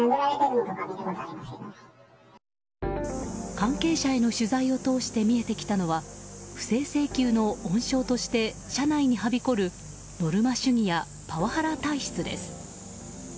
関係者への取材を通して見えてきたのは不正請求の温床として社内にはびこるノルマ主義やパワハラ体質です。